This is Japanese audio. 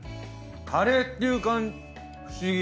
カレーっていう不思議。